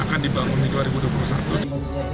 akan dibangun di dua ribu dua puluh satu